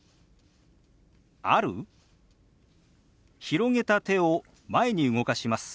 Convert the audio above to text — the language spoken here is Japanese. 広げた手を前に動かします。